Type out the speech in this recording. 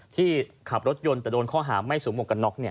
ที่ขับรถยนต์แต่โดนข้อหาไม่สูงอกกับน็อคเนี่ย